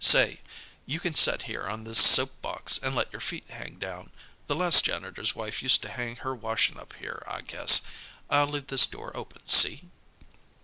Say, you can set here on this soap box and let your feet hang down. The last janitor's wife used to hang her washin' up here, I guess. I'll leave this door open, see?"